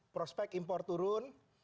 prospek impor turun